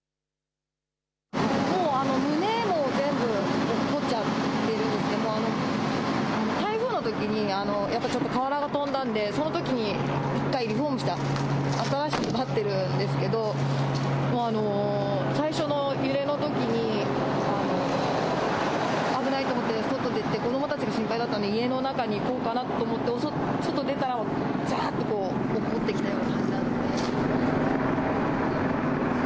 もう、むねも全部おっこっちゃってですね、台風のときに、やっぱちょっと瓦が飛んだんで、そのときに一回リフォームして新しくなっているんですけど、最初の揺れのときに、危ないと思って外に出て子どもたちが心配だったんで、家の中に行こうかなと思って、外出たら、ざーっとおっこってきたような感じなんで。